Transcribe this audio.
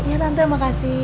iya tante makasih